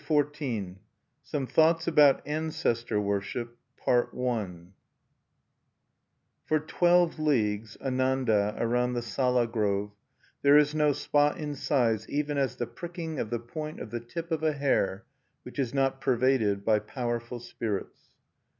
XIV SOME THOUGHTS ABOUT ANCESTOR WORSHIP "For twelve leagues, Ananda, around the Sala Grove, there is no spot in size even as the pricking of the point of the tip of a hair, which is not pervaded by powerful spirits."